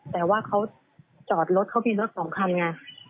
แต่ว่าเขาจอดรถเขามีรถสองคันไง